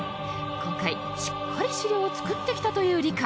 今回しっかり資料を作ってきたという梨加。